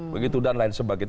begitu dan lain sebagainya